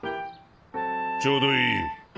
ちょうどいい。